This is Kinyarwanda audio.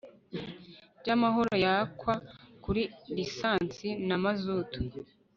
by amahoro yakwa kuri lisansi na mazutu